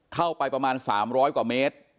เข้าไปประมาณ๓๐๐กว่าเมตร